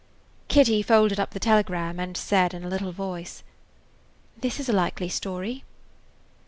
Kitty folded up the telegram and said in a little voice: "This is a likely story."